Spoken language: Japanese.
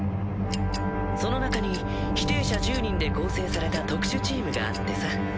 その中に否定者１０人で構成された特殊チームがあってさ。